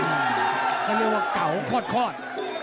ก็เรียกว่าเก่าคลอดคลอด